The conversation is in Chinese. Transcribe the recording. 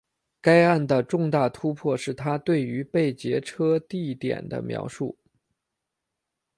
该案的重大突破是她对于被劫车地点的描述。